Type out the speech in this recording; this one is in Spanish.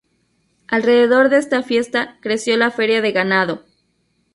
Alrededor de esta fiesta creció la feria de ganado.